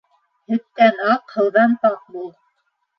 Һөттән аҡ, һыуҙан пак бул.